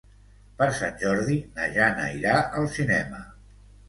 Per Sant Jordi na Jana irà al cinema.